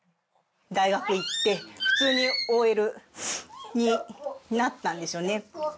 大学行って普通にＯＬになったんですよね。